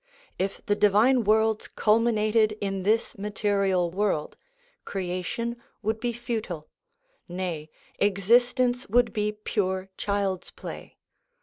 If the divine worlds culminated in this material world, creation would be futile : nay, existence would be pure child's play.